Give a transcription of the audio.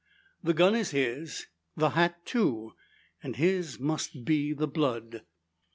The gun is his, the hat too, and his must be the blood.